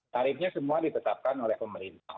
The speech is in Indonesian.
tarifnya semua ditetapkan oleh pemerintah